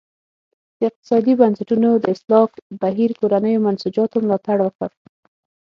د اقتصادي بنسټونو د اصلاح بهیر کورنیو منسوجاتو ملاتړ وکړ.